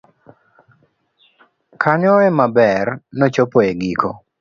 kanyo ema ber nochopo e giko